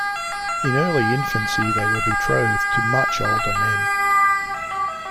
In early infancy they were betrothed to much older men.